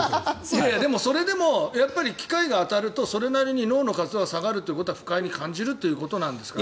いやいや、それでも機械が当たるとそれなりに脳の活動は下がるってことは不快に感じるってことなんですから。